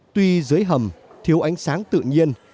tuy dưới hầm thiếu ánh sáng tự nhiên